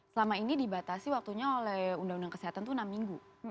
selama ini dibatasi waktunya oleh undang undang kesehatan itu enam minggu